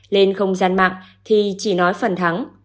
lên không gian mạng thì chỉ nói phần thắng